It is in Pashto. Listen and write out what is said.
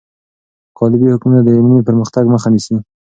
قالبي حکمونه د علمي پرمختګ مخه نیسي.